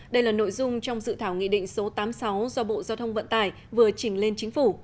đây là nội dung trong dự thảo nghị định số tám mươi sáu do bộ giao thông vận tải vừa chỉnh lên chính phủ